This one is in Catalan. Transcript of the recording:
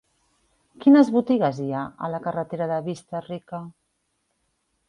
Quines botigues hi ha a la carretera de Vista-rica?